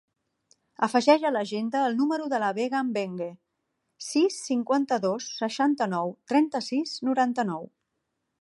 Afegeix a l'agenda el número de la Vega Mbengue: sis, cinquanta-dos, seixanta-nou, trenta-sis, noranta-nou.